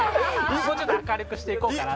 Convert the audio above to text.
もうちょっと明るくしていこうかなと。